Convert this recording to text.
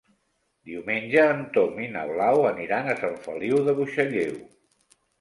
Diumenge en Tom i na Blau aniran a Sant Feliu de Buixalleu.